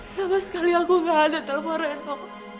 sama sekali aku gak ada telpon reno